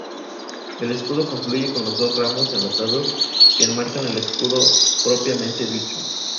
El escudo concluye con los dos ramos enlazados que enmarcan el escudo propiamente dicho.